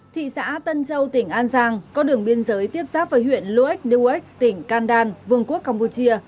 thị xã tân châu tỉnh an giang có đường biên giới tiếp xác với huyện luich nuốich tỉnh kandan vương quốc campuchia